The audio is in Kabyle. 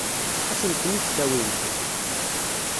Ad asen-ten-id-tawimt?